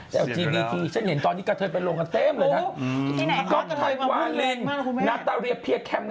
สะเนี่ยตอนดีกะเธอจะไปลงกันเต็มเลยนะ